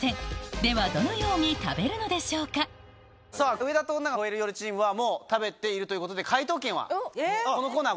「上田と女が吠える夜チーム」はもう食べているということで。